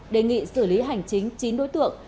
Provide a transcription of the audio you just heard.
đề nghị xử lý hành chính chín đối tượng